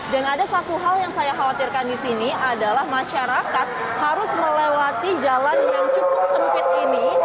dan ada satu hal yang saya khawatirkan di sini adalah masyarakat harus melewati jalan yang cukup sempit ini